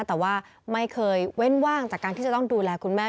แต่ว่าไม่เคยเว้นว่างจากการที่จะต้องดูแลคุณแม่